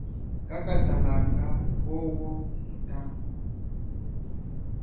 Kakatalanga phowo mutangu.